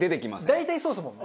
大体そうですもんね。